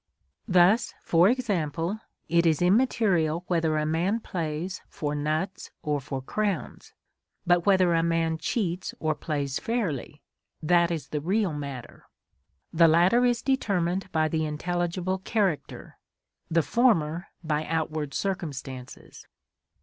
Thus, for example it is immaterial whether a man plays for nuts or for crowns; but whether a man cheats or plays fairly, that is the real matter; the latter is determined by the intelligible character, the former by outward circumstances.